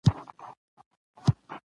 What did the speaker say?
نو ولس به ویده پاتې شي.